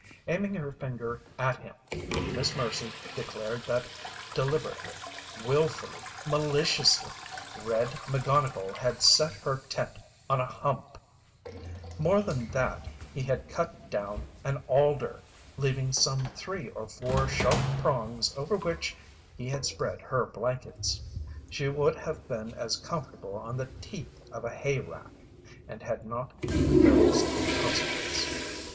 Aiming her finger at him, Miss Mercy declared that deliberately, wilfully, maliciously, "Red" McGonnigle had set her tent on a hump. More than that, he had cut down an alder, leaving some three or four sharp prongs over which he had spread her blankets. She would have been as comfortable on the teeth of a hay rake, and had not even dozed in consequence.